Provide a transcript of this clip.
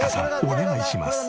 お願いします。